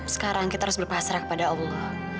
sekarang kita harus berpasrah kepada allah